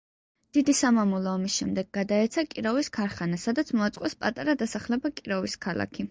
დიდი სამამულო ომის შემდეგ გადაეცა კიროვის ქარხანას, სადაც მოაწყვეს პატარა დასახლება კიროვის ქალაქი.